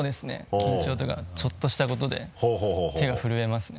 緊張とかちょっとしたことで手が震えますね。